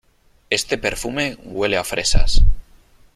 Este perfume huele a fresas